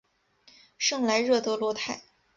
圣莱热德罗泰。